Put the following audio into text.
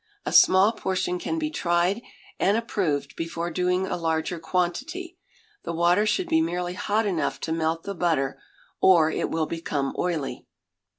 A small portion can be tried and approved before doing a larger quantity. The water should be merely hot enough to melt the butter, or it will become oily.